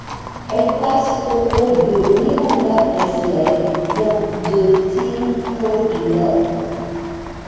Elle passe au rôle de Miranda Presley dans The Thing Called Love.